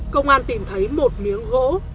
công an tìm thấy một miếng gỗ